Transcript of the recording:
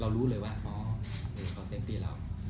เรารู้เลยว่าเกิดขอเซฟตีเรา